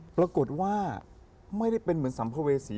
ปรากฏว่าไม่ได้เป็นเหมือนสัมภเวษี